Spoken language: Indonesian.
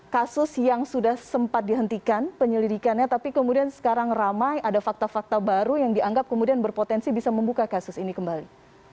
kasus yang sudah sempat dihentikan penyelidikannya tapi kemudian sekarang ramai ada fakta fakta baru yang dianggap kemudian berpotensi bisa membuka kasus ini kembali